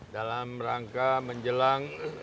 dalam rangka menjelang